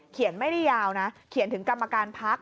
ไม่ได้ยาวนะเขียนถึงกรรมการพัก